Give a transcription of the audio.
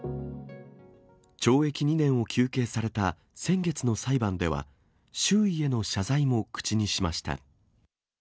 懲役２年を求刑された先月の裁判では、周囲への謝罪も口にしました。